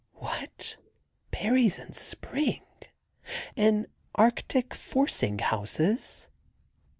"What, berries in spring! in Arctic forcing houses!